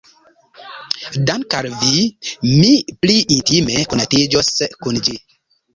Dank' al vi mi pli intime konatiĝos kun ĝi.